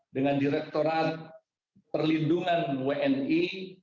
dengan direktorat perlindungan wni